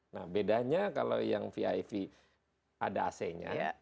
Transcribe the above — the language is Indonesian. nah bedanya kalau yang vip ada ac nya